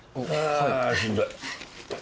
あしんどい。